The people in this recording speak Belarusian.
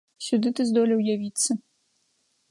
Сюды ты здолеў явіцца.